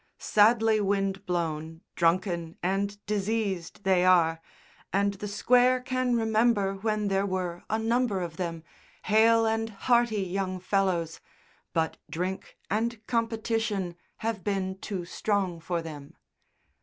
Sadly wind blown, drunken and diseased they are, and the Square can remember when there were a number of them, hale and hearty young fellows, but drink and competition have been too strong for them.